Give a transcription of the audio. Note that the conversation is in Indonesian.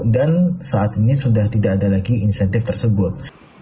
dan saat ini sudah tidak ada lagi insentif tersebut